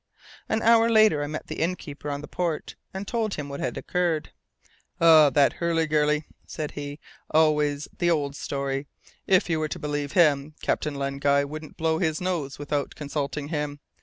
An hour later, I met the innkeeper on the port, and told him what had occurred. "Ah! that Hurliguerly!" said he, "always the old story. If you were to believe him, Captain Len Guy wouldn't blow his nose without consulting him.